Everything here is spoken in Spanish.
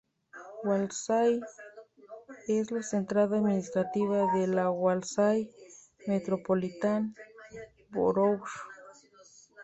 Walsall es la central administrativa de la Walsall Metropolitan Borough.